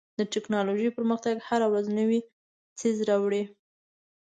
د ټکنالوژۍ پرمختګ هره ورځ نوی څیز راوړي.